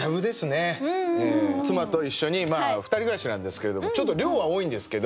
妻と一緒に２人暮らしなんですけれどもちょっと量は多いんですけど。